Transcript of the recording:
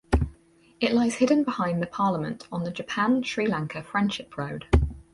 It lies hidden behind the Parliament on the Japan Sri Lanka friendship road.